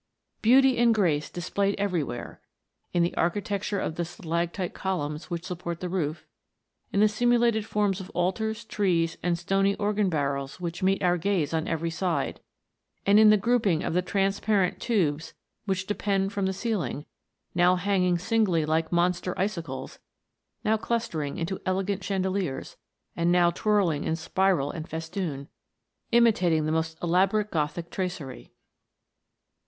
Beauty and grace displayed everywhere : in the architecture of the stalactite columns which support the roof; in the simulated forms of altars, trees, and stony organ barrels which meet our gaze on every side ; and in the grouping of the transparent tubes which depend from the ceiling, now hanging 256 THE GNOMES. singly like monster icicles, now clustering into ele gant chandeliers, and now twirling in spiral and festoon, imitating the most elaborate Gothic tracery.